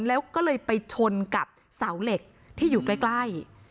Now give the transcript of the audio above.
แล้วก็เลยไปชนกับเสาเหล็กที่อยู่ใกล้